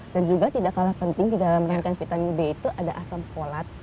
dan juga tidak kalah penting di dalam rangka vitamin b itu ada asam folat